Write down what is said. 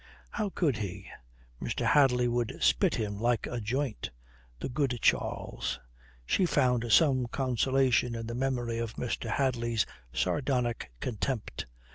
How could he? Mr. Hadley would spit him like a joint. The good Charles! She found some consolation in the memory of Mr. Hadley's sardonic contempt.